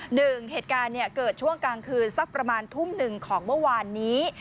เหตุการณ์เกิดช่วงกลางคืนสักประมาณทุ่มหนึ่งของเมื่อวานนี้